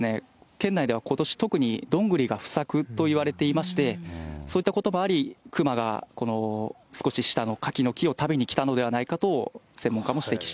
県内ではことし特にどんぐりが不作といわれていまして、そういったこともあり、熊がこの少し下の柿の木を食べに来たのではないかと専門家も指摘